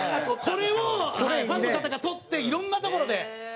これをファンの方が撮っていろんな所で。